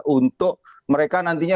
untuk mereka nantinya